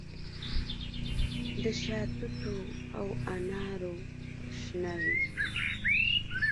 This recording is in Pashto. د شاتوتو او انارو شنه وي